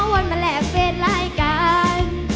ว่ามันแหละเป็นรายการ